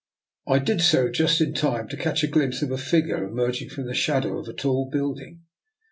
I did so just in time to catch a glimpse of a figure em erging from the shadow of a tall building.